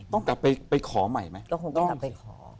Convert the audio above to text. ต้องกลับไปขอใหม่ไหม